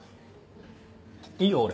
いいよ俺。